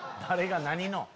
誰が何の？